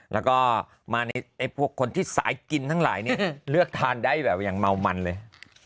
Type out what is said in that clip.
แล้วก็มาในพวกคนที่สายกินทั้งหลายเนี่ยเลือกทานได้แบบอย่างเมามันเลย